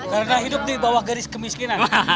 karena hidup di bawah garis kemiskinan